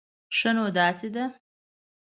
ښه، نو داسې ده